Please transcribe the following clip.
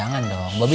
nggak mau pi